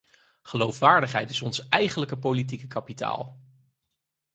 Geloofwaardigheid is ons eigenlijke politieke kapitaal.